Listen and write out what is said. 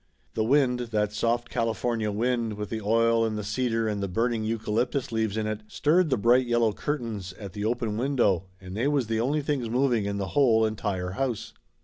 The wind, that soft California wind with the oil and the cedar and the burning eu calyptus leaves in it, stirred the bright yellow curtains at the open window and they was the only things mov ing in the whole entire house.